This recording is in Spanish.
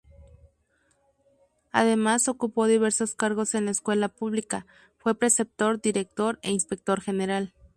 Además ocupó diversos cargos en la escuela pública: fue preceptor, director e inspector general.